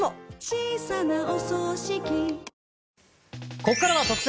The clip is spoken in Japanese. ここからは特選！！